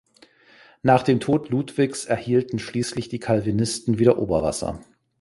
Nach dem Tod Ludwigs erhielten schließlich die Calvinisten wieder Oberwasser.